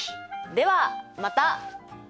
ではまた！